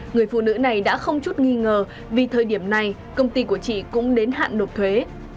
người phụ nữ này đã không chút nghi ngờ vì thời điểm này công ty của chị cũng đến hạn nộp thuế